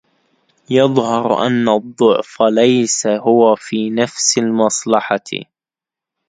يَظْهَرُ أَنَّ الضَّعْفَ لَيْسَ هُوَ فِي نَفْسِ الْمَصْلَحَةِ